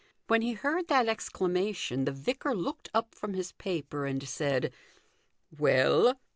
When he heard that exclama tion the vicar looked up from his paper and said, " Well